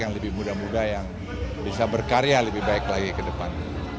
yang lebih muda muda yang bisa berkarya lebih baik lagi ke depan